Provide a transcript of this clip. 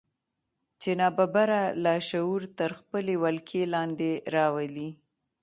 چې ناببره لاشعور تر خپلې ولکې لاندې راولي.